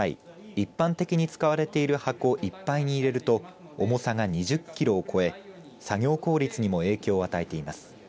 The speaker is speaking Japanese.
一般的に使われている箱いっぱいに入れると重さが２０キロを超え作業効率にも影響を与えています。